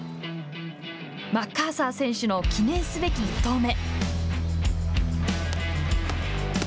マッカーサー選手の記念すべき１投目。